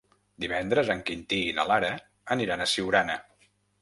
Divendres en Quintí i na Lara aniran a Siurana.